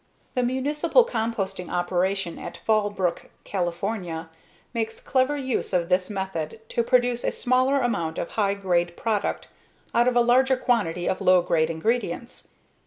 The municipal composting operation at Fallbrook, California makes clever use of this method to produce a smaller amount of high grade product out of a larger quantity of low grade ingredients.